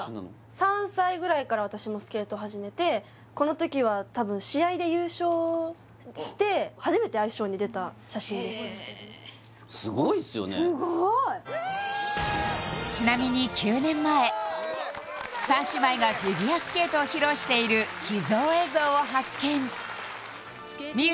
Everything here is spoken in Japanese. ３歳ぐらいから私もスケートを始めてこの時はたぶんすごーいっちなみに９年前三姉妹がフィギュアスケートを披露している秘蔵映像を発見